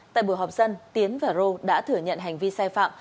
tại buổi họp dân tiến và rô đã thừa nhận hành vi sai phạm